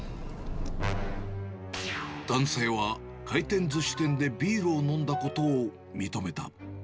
男性は回転ずし店でビールを飲んだことを認めた。